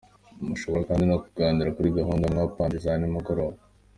Mushobora kandi no kuganira kuri gahunda mwapanze za nimugoroba.